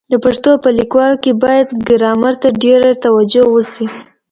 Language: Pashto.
د پښتو په لیکلو کي بايد ګرامر ته ډېره توجه وسي.